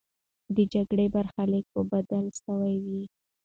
د جګړې برخلیک به بدل سوی وي.